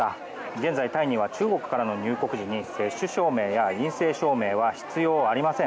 現在タイには中国からの入国時に接種証明や陰性証明は必要ありません。